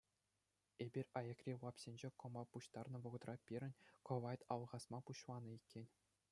Эпир аякри лапсенче кӑмпа пуҫтарнӑ вӑхӑтра пирӗн кӑвайт алхасма пуҫланӑ иккен.